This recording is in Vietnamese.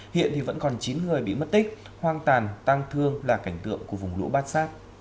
hiện thì vẫn còn chín người bị mất tích hoang tàn tăng thương là cảnh tượng của vùng lũ bát sát